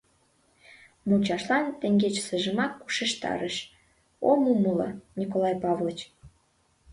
Мучашлан теҥгечсыжымак ушештарыш: — Ом умыло, Николай Павлыч!